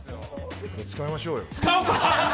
使いましょうよ。